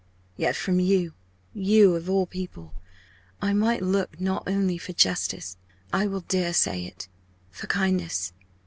Yet from you you of all people I might look not only for justice but I will dare say it for kindness!"